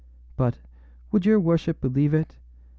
Butâwould your worship believe it?